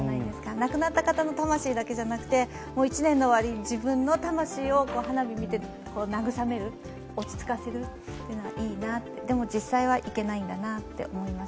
亡くなった方の魂だけじゃなくて１年の終わりに自分の魂を花火を見てなぐさめる、落ち着かせるというのはいいなって、でも実際に行けないんだなと思います。